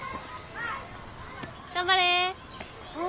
頑張れ！